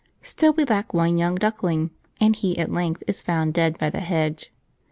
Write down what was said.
Still we lack one young duckling, and he at length is found dead by the hedge.